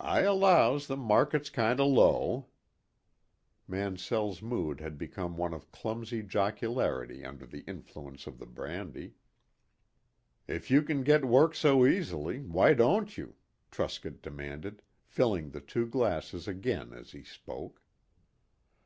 "I allows the market's kind o' low." Mansell's mood had become one of clumsy jocularity under the influence of the brandy. "If you can get work so easily, why don't you?" Truscott demanded, filling the two glasses again as he spoke.